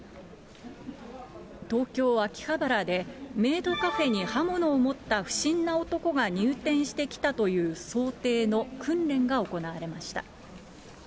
東京・秋葉原でメイドカフェに刃物を持った不審な男が入店してきたという想定の訓練が行われました。